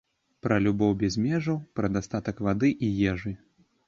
Пра любоў без межаў, пра дастатак вады і ежы.